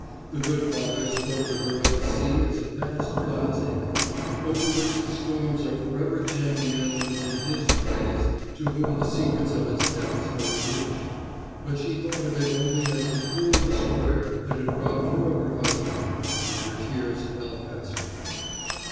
The good father spoke to her of the sea as a vast God's acre, over which the storms are forever chanting anthems in his praise to whom the secrets of its depths are revealed; but she thought of it only as the cruel destroyer that had robbed her of her husband, and her tears fell faster.